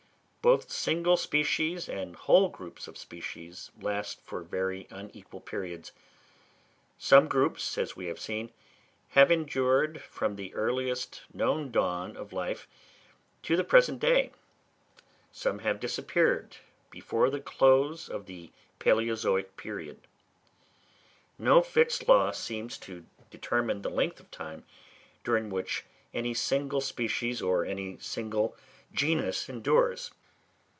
Both single species and whole groups of species last for very unequal periods; some groups, as we have seen, have endured from the earliest known dawn of life to the present day; some have disappeared before the close of the palæozoic period. No fixed law seems to determine the length of time during which any single species or any single genus endures.